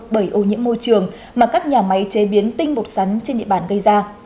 bởi ô nhiễm môi trường mà các nhà máy chế biến tinh bột sắn trên địa bàn gây ra